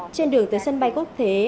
trên đường từ sân bay quốc thế